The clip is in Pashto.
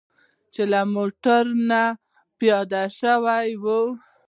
چې له موټر نه پیاده شوي وو.